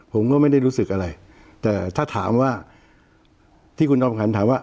ผมก็ไม่ได้รู้สึกอะไรแต่ถ้าถามว่าที่คุณจอมขันถามว่า